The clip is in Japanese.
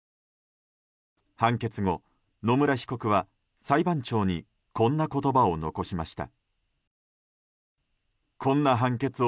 判決後、野村被告は裁判長にこんな言葉を残しました。